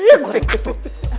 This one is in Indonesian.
eh gue nggak tahu